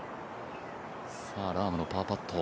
ラームのパーパット。